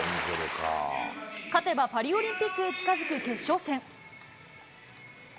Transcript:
勝てばパリオリンピックに近づく決勝戦。